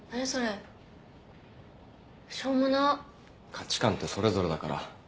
価値観ってそれぞれだから。